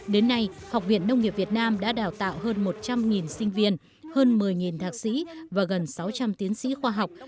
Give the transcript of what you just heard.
đến nay học viện nông nghiệp việt nam đã đào tạo hơn một trăm linh sinh viên hơn một mươi thạc sĩ và gần sáu trăm linh tiến sĩ khoa học